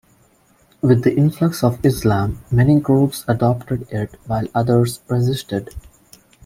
With the influx of Islam many groups adopted it while others resisted.